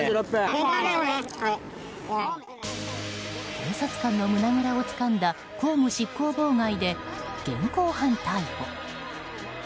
警察官の胸ぐらをつかんだ公務執行妨害で現行犯逮捕。